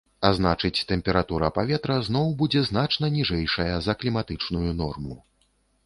А значыць тэмпература паветра зноў будзе значна ніжэйшая за кліматычную норму.